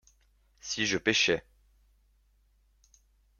Si je pêchais.